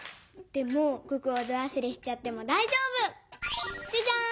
でも九九をどわすれしちゃってもだいじょうぶ！じゃじゃん！